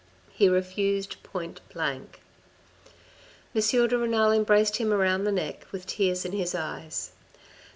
He refused point blank. M. de Renal embraced him around the neck with tears in his eyes.